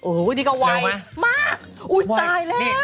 โอ้โหนี่ก็ไวมากอุ้ยตายแล้ว